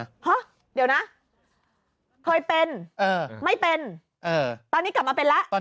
ใหม่แล้วนะเดี๋ยวนะเฮ้ยเป็นไม่เป็นตอนนี้กลับมาเป็นแล้วตอน